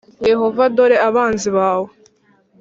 Yehova dore abanzi bawe